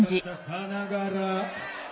さながら。